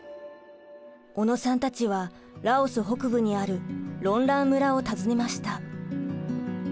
小野さんたちはラオス北部にあるロンラン村を訪ねました。